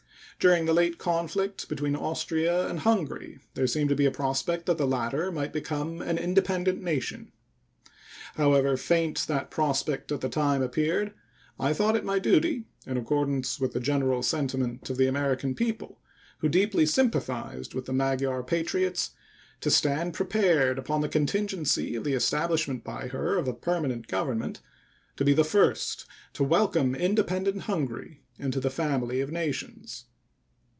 During the late conflict between Austria and Hungary there seemed to be a prospect that the latter might become an independent nation. However faint that prospect at the time appeared, I thought it my duty, in accordance with the general sentiment of the American people, who deeply sympathized with the Magyar patriots, to stand prepared, upon the contingency of the establishment by her of a permanent government, to be the first to welcome independent Hungary into the family of nations.